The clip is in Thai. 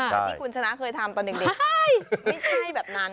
ที่ขุนชนะเคยทำตอนเด็กไม่ใช่แบบนั้น